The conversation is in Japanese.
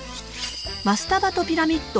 マスタバとピラミッド